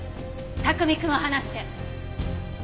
卓海くんを放して。